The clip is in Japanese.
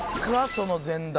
その前段。